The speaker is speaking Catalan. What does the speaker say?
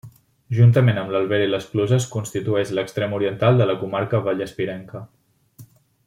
Juntament amb l'Albera i les Cluses constitueix l'extrem oriental de la comarca vallespirenca.